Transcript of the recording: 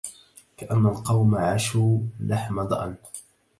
كأن القوم عشوا لحم ضأن